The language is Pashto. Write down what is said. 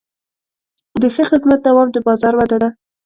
د ښه خدمت دوام د بازار وده ده.